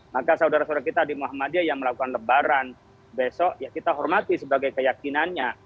maka saudara saudara kita di muhammadiyah yang melakukan lebaran besok ya kita hormati sebagai keyakinannya